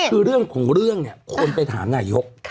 คือเรื่องของเรื่องเนี่ยคนไปถามนายก